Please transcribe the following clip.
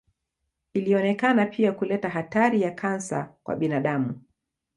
Ilionekana pia kuleta hatari ya kansa kwa binadamu.